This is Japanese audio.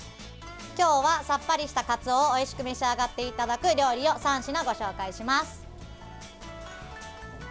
今日はさっぱりしたカツオをおいしく召し上がっていただく料理を３品ご紹介します。